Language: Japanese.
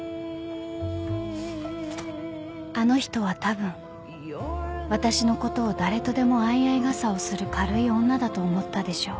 ［あの人はたぶん私のことを誰とでも相合い傘をする軽い女だと思ったでしょう］